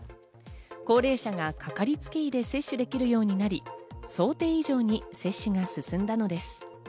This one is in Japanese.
高齢者がかかりつけ医で接種できるようになり想定以上に接種が進んだのです。